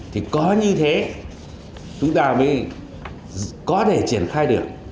thì có như thế chúng ta mới có thể triển khai được